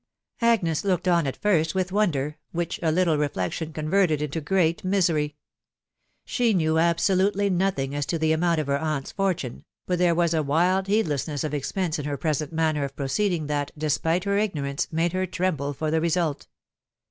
Agnes looked on at first with wonder, which a little re flection converted into great misery. She knew absoiufiey 316 THE WIDOW BABXAB7. nothing as to the amount of her aunt's fortune ; but there wj ' a wild heedlessness of expense in her present manner of pn> ' ceeding that, despite her ignorance, made her tremble for tk result.